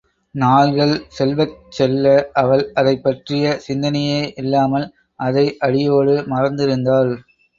நாள்கள் செல்வச் செல்ல, அவள் அதைப் பற்றிய சிந்தனையே இல்லாமல், அதை அடியோடு மறந்திருந்தாள்.